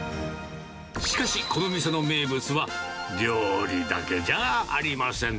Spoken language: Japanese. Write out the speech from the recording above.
しかし、この店の名物は料理だけじゃありません。